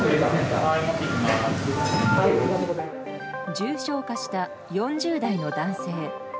重症化した４０代の男性。